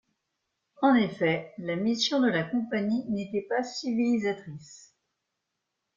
En effet, la mission de la Compagnie n’était pas civilisatrice.